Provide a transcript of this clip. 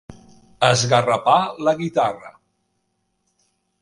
Esgarrapar la guitarra.